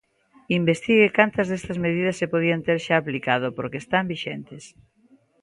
Investigue cantas destas medidas se podían ter xa aplicado, porque están vixentes.